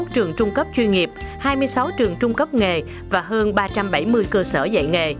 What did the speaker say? hai mươi trường trung cấp chuyên nghiệp hai mươi sáu trường trung cấp nghề và hơn ba trăm bảy mươi cơ sở dạy nghề